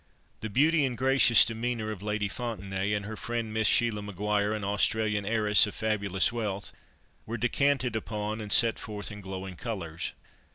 The beauty and gracious demeanour of Lady Fontenaye, and her friend Miss Sheila Maguire, an Australian heiress of fabulous wealth, were descanted upon and set forth in glowing colours.